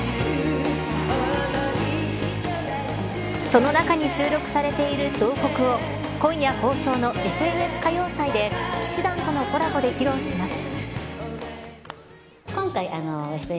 その中に収録されている慟哭を今夜放送のＦＮＳ歌謡祭で氣志團とのコラボで披露します。